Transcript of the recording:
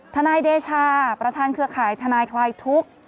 ทนายเดชาประธานเครือข่ายทนายคลายทุกข์